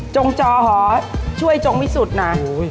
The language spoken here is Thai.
จงจอหอช่วยจงวิสุทธิ์นะ